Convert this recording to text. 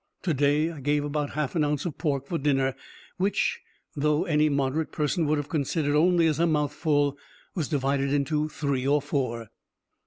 To day I gave about half an ounce of pork for dinner, which, though any moderate person would have considered only as a mouthful, was divided into three or four.